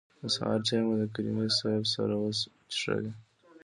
د سهار چای مو د کریمي صیب سره وڅښه.